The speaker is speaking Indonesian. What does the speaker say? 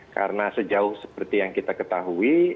karena sejauh seperti yang kita ketahui